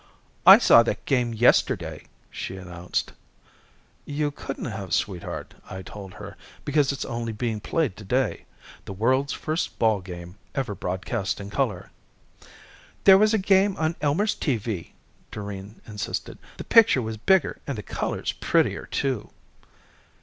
"I saw that game yesterday!" she announced. "You couldn't have, sweetheart," I told her. "Because it's only being played today. The world's first ball game ever broadcast in color." "There was a game on Elmer's TV," Doreen insisted. "The picture was bigger and the colors prettier, too."